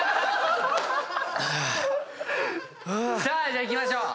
じゃあいきましょう。